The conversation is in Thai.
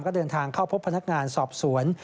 ก็เดินทางเข้าพบพนักงานสอบสวน